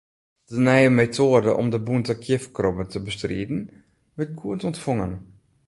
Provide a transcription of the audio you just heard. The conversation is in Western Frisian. De nije metoade om de bûnte kjifkrobbe te bestriden, wurdt goed ûntfongen.